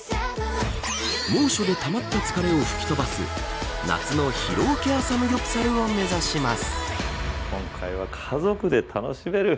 猛暑でたまった疲れを吹き飛ばす夏の疲労ケアサムギョプサルを目指します。